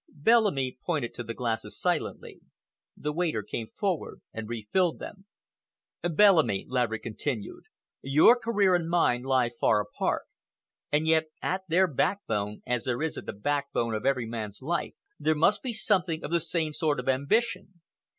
Bellamy pointed to the glasses silently. The waiter came forward and refilled them. "Bellamy," Laverick continued, "your career and mine lie far apart, and yet, at their backbone, as there is at the backbone of every man's life, there must be something of the same sort of ambition.